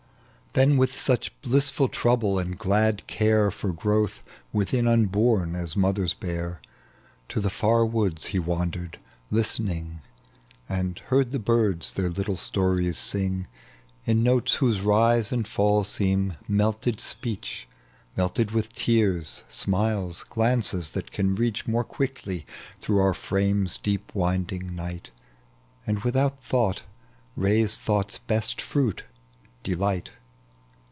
Then with such blissful trorrble and glad care For growth within unborn as mothers bear, . To the far woods he wandered, listening, And heard the birds their little stories sing In notes whose rise and fall seem melted speech — Melted with tears, smiles, glances — that can reach More qtuckly through our ftame's deep winding night, And without thought raise thought's best frurt, delight.